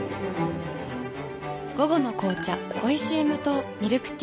午後の紅茶おいしい無糖ミルクティー